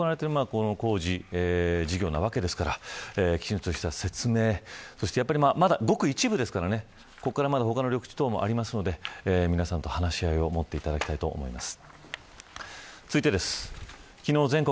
あくまで市民の税金を使って行われているこの事業なわけですからきちんとした説明そして、まだ、ごく一部ですからここからまだ他の緑地等もありますので皆さんと話し合いを持っていただきたいと思います。